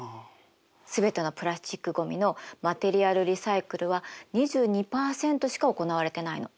全てのプラスチックごみのマテリアルリサイクルは２２％しか行われてないの。